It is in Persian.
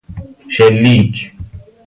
شلیک